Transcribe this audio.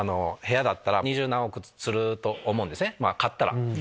買ったら。